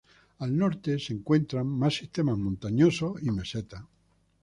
Al norte se encuentran más sistemas montañosos y mesetas.